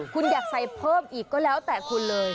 คุณอยากใส่เพิ่มอีกก็แล้วแต่คุณเลย